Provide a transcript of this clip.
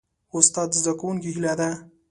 استاد د زدهکوونکو هیله ده.